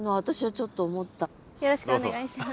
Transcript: よろしくお願いします。